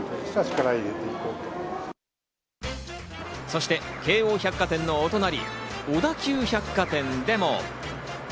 そして京王百貨店のお隣、小田急百貨店でも。